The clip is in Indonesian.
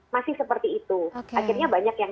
masih seperti itu akhirnya banyak yang